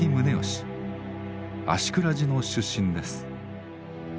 芦峅寺の出身です。